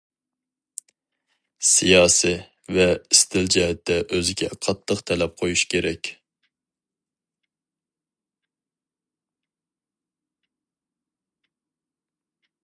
سىياسىي ۋە ئىستىل جەھەتتە ئۆزىگە قاتتىق تەلەپ قويۇش كېرەك.